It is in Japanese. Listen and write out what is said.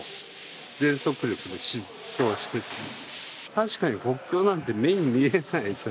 確かに国境なんて目に見えない。